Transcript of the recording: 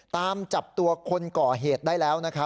ตามจับตัวคนก่อเหตุได้แล้ว